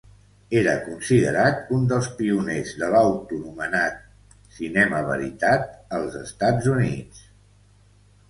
Era considerat un dels pioners de l'autoanomenat cinema veritat als Estats Units.